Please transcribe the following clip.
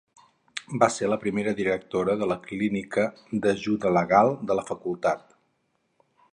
Va ser la primera directora de la Clínica d'Ajuda Legal de la Facultat.